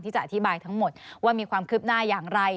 จะอธิบายทั้งหมดว่ามีความคืบหน้าอย่างไร